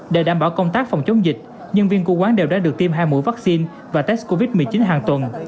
để đảm bảo công tác phòng chống dịch nhân viên của quán đều đã được tiêm hai mũi vaccine và test covid một mươi chín hàng tuần